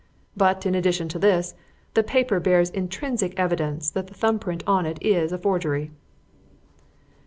But, in addition to this, the paper bears intrinsic evidence that the thumb print on it is a forgery."